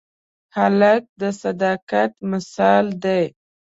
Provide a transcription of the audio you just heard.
هلک د صداقت مثال دی.